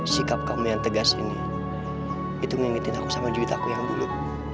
sikap kamu yang tegas ini itu mengingatkan aku sama duit aku yang dulu